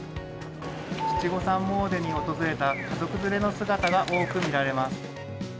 七五三詣でに訪れた家族連れの姿が多く見られます。